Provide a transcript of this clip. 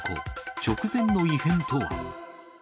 直前の異変とは。